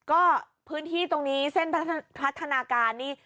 ก็พื้นที่ตรงนี้เส้นพัฒนาการนี่